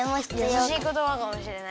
やさしいことばかもしれない。